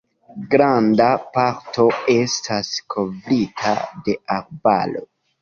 Granda parto estas kovrita de arbaro.